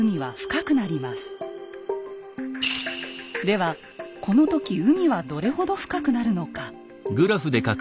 ではこの時海はどれほど深くなるのか。